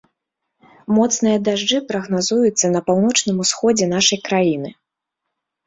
Моцныя дажджы прагназуюцца на паўночным усходзе нашай краіны.